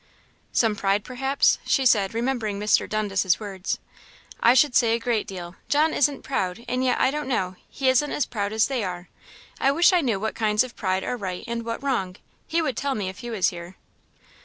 "Some pride perhaps?" she said, remembering Mr. Dundas's words; "I should say a great deal, John isn't proud; and yet, I don't know, he isn't proud as they are; I wish I knew what kinds of pride are right and what wrong; he would tell me if he was here."